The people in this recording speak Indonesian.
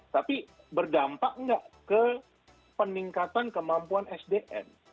tapi berdampak nggak ke peningkatan kemampuan sdm